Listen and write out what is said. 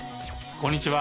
こんにちは。